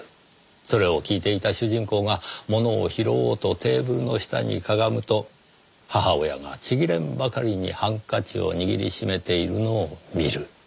それを聞いていた主人公が物を拾おうとテーブルの下にかがむと母親がちぎれんばかりにハンカチを握りしめているのを見る。